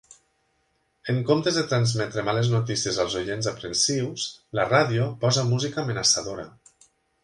En comptes de transmetre males notícies als oients aprensius, la ràdio posa música amenaçadora.